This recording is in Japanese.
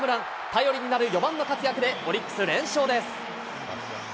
頼りになる４番の活躍で、オリックス、連勝です。